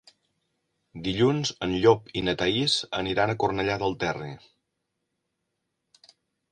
Dilluns en Llop i na Thaís aniran a Cornellà del Terri.